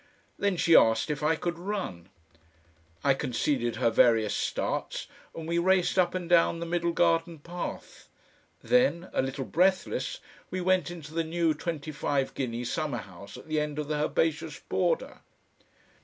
Then she asked if I could run. I conceded her various starts and we raced up and down the middle garden path. Then, a little breathless, we went into the new twenty five guinea summer house at the end of the herbaceous border.